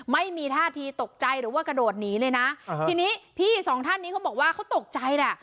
ไม่มีท่าทีตกใจหรือว่ากระโดดหนีเลยนะทีนี้พี่สองท่านนี้เขาบอกว่าเขาตกใจแหละ